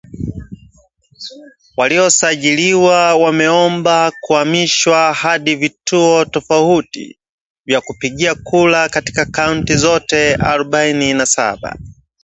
waliosajiliwa wameomba kuhamishwa hadi vituo tofauti vya kupigia kura katika kaunti zote arobaini na saba